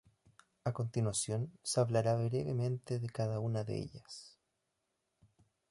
A continuación se hablará brevemente de cada una de ellas.